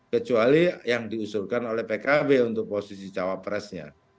kecuali yang diusulkan oleh pkb untuk posisi cawapresnya